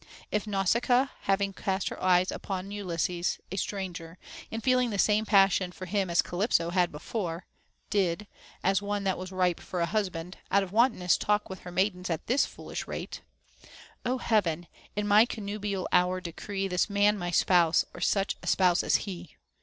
If Nausicaa, having cast her eyes upon Ulysses, a stranger, and feeling the same passion for him as Calypso had before, did (as one that was ripe for a husband) out of wantonness talk with her maidens at this foolish rate, — Ο Heaven ! in my connubial hour decree This man my spouse, or such a spouse as lie